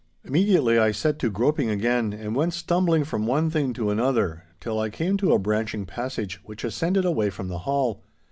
Immediately I set to the groping again, and went stumbling from one thing to another till I came to a branching passage which ascended away from the hall.